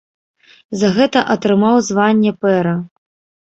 За гэта атрымаў званне пэра.